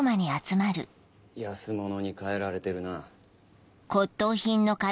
安物に替えられてるな。